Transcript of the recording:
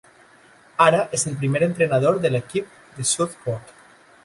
Ara és el primer entrenador de l'equip de Southport.